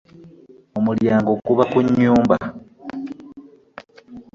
Omulyango guba ku nyumba .